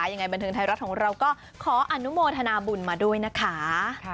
ยังไงบันเทิงไทยรัฐของเราก็ขออนุโมทนาบุญมาด้วยนะคะ